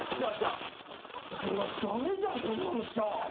いや駄目じゃんこんなのしちゃ。